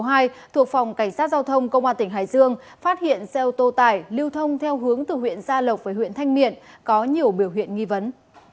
thuộc phòng cảnh sát giao thông công an tỉnh hải dương phát hiện xe ô tô tải lưu thông theo hướng từ huyện gia lộc về huyện thanh miện có nhiều biểu hiện nghi vấn